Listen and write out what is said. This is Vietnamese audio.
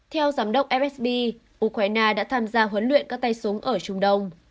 theo giám đốc fsb ukraine đã tham gia huấn luyện các tay súng ở trung đông